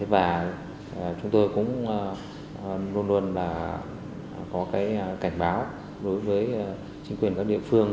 và chúng tôi cũng luôn luôn là có cái cảnh báo đối với chính quyền các địa phương